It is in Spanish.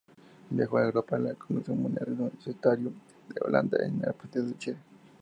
Viajó a Europa al Congreso Mundial Universitario en Holanda en representación de Chile.